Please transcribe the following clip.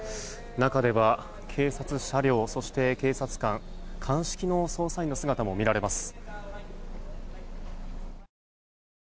中では、警察車両そして警察官鑑識の捜査員の姿も見られます。